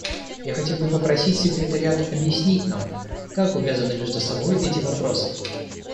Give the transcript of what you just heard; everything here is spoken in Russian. Я хотел бы попросить Секретариат объяснить нам, как увязаны между собой эти вопросы.